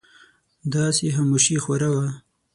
داسې خاموشي خوره وه.